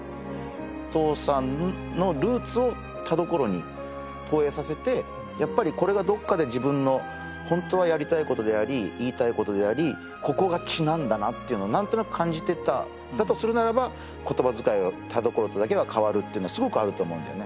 お父さんのルーツを田所に投影させてやっぱりこれがどっかで自分のホントはやりたいことであり言いたいことでありここが違うんだなっていうのをなんとなく感じてたんだとするならば言葉遣いが田所とだけは変わるっていうのはすごくあると思うんだよね